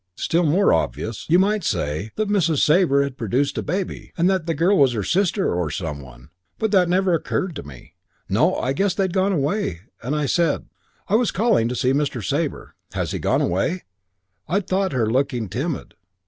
Still more obvious, you might say, that Mrs. Sabre had produced a baby, and that the girl was her sister or some one, but that never occurred to me. No, I guessed they'd gone away, and I said, 'I was calling to see Mr. Sabre. Has he gone away?' "I'd thought her looking timid.